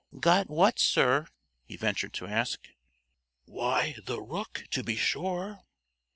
"Got what, sir?" he ventured to ask. "Why, the rook, to be sure."